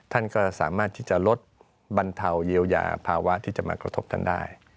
ท่านก็สามารถที่จะลดบรรเทาเยียวยาภาวะที่จะมากระทบท่านได้